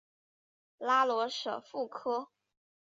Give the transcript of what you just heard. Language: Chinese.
拉罗什富科。